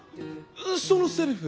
そのセリフ！